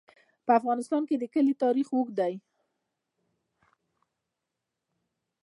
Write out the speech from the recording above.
په افغانستان کې د کلي تاریخ اوږد دی.